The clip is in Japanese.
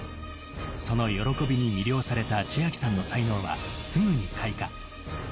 その喜びに魅了された千明さんの才能はすぐに開花。